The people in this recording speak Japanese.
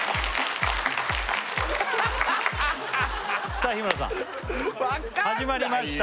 さあ日村さん始まりました